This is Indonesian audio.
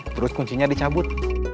terus kuncinya dicabut